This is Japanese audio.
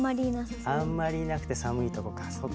あんまりいなくて寒いとこかそうか。